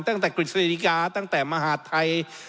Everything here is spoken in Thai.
ตั้งแต่กฤษฎริกาตั้งแต่มหาทัย